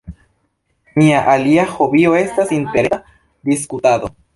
Mia alia hobio estas interreta diskutado.